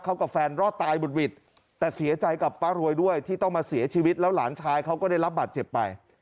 เขากับแฟนรอดตายบุดหวิดแต่เสียใจกับป้ารวยด้วยที่ต้องมาเสียชีวิตแล้วหลานชายเขาก็ได้รับบาดเจ็บไป